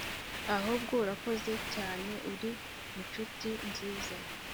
ahubwo urakoze cyaneeee uri inshuti nziza